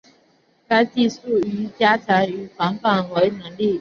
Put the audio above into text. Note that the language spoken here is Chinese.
该技术亦加强其防伪能力。